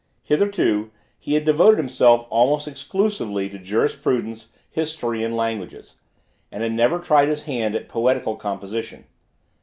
Hitherto, he had devoted himself almost exclusively to Jurisprudence, History and Languages, and had never tried his hand at poetical composition.